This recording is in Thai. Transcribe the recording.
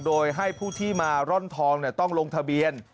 โดยให้ผู้ที่มาร่อนทองต้องลงทะเบียน